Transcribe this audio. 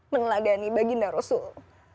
meneladani baginda rasul